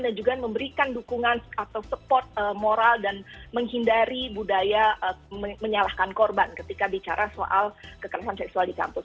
dan juga memberikan dukungan atau support moral dan menghindari budaya menyalahkan korban ketika bicara soal kekerasan seksual di kampus